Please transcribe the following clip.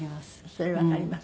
それわかります。